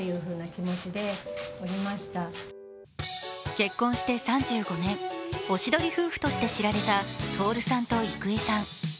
結婚して３５年、おしどり夫婦として知られた徹さんと郁恵さん。